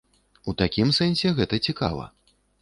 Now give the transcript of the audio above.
У такім сэнсе гэта цікава.